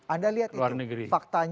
anda lihat itu faktanya